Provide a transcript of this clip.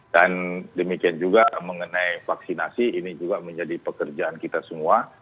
dan demikian juga mengenai vaksinasi ini juga menjadi pekerjaan kita semua